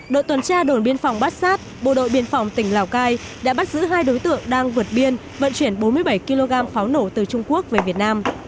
đội tuần tra đồn biên phòng bát sát bộ đội biên phòng tỉnh lào cai đã bắt giữ hai đối tượng đang vượt biên vận chuyển bốn mươi bảy kg pháo nổ từ trung quốc về việt nam